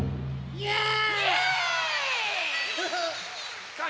イエーイ！